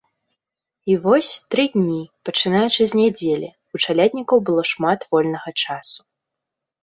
І вось, тры дні, пачынаючы з нядзелі, у чаляднікаў было шмат вольнага часу.